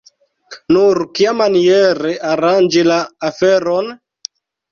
Nur kiamaniere aranĝi la aferon?